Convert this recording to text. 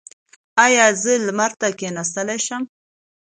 ایا زه لمر ته کیناستلی شم؟